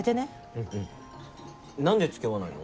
うんうん何で付き合わないの？